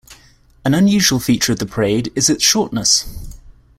An unusual feature of the parade is its shortness.